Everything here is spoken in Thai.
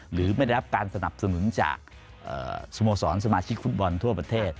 ได้รับการสนับสนุนจากสโมสรสมาชิกฟุตบอลทั่วประเทศ